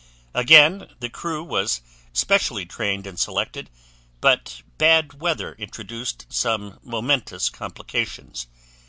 Again the crew was specially trained and selected; but bad weather introduced some momentous complications.